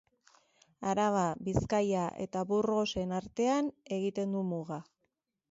Araba, Bizkaia eta Burgosen artean egiten du muga.